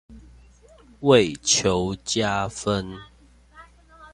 為求加分